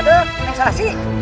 aduh apa yang terjadi